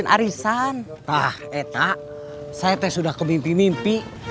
itu yang mama alami dulu cu